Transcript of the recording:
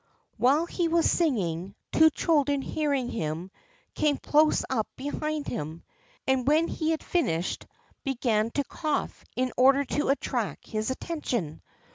While he was singing, two children, hearing him, came close up behind him, and when he had finished began to cough in order to attract his attention.